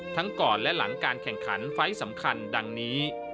ก่อนและหลังการแข่งขันไฟล์สำคัญดังนี้